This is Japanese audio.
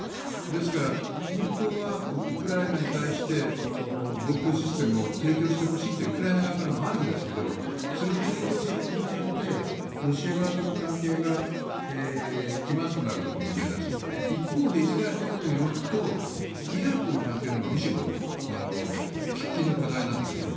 ですから、本当はウクライナに対して防空システムを提供してほしいってウクライナ側からもあるんですがそれを提供することによってロシア側との関係が気まずくなることも嫌だし一方でイスラエルにとってみるとイランとの関係のほうがむしろ喫緊の課題なんですよね。